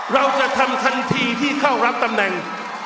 เราจะทำทันทีที่เข้ารับตำแหน่ง